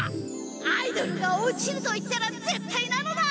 アイドルが落ちると言ったらぜったいなのだ！